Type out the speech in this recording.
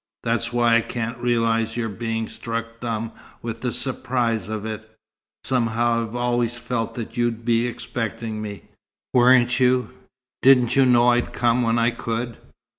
That's why I can't realize your being struck dumb with the surprise of it. Somehow, I've always felt you'd be expecting me. Weren't you? Didn't you know I'd come when I could?"